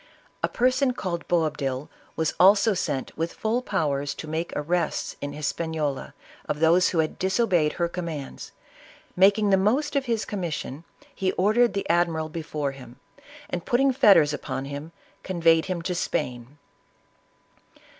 A person called Boabdil, was also sent with full powers to make arrests in Hispaniola of those who had disobeyed j^er commands ; making the most of his commission," he ordered the admiral before him, and, putting fetters upon him, conveyed him to Spain.